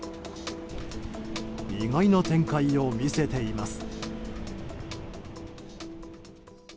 意外な展開を見せています。